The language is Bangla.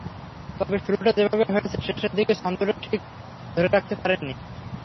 তবে শুরুটা যেভাবে হয়েছে, শেষের দিকে ছন্দটা ঠিক ধরে রাখতে পারেননি।